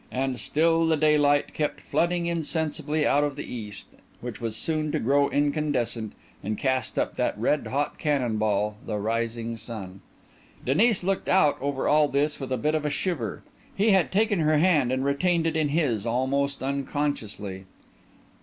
And still the daylight kept flooding insensibly out of the east, which was soon to grow incandescent and cast up that red hot cannon ball, the rising sun. Denis looked out over all this with a bit of a shiver. He had taken her hand, and retained it in his almost unconsciously.